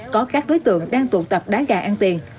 có các đối tượng đang tụ tập đá gà ăn tiền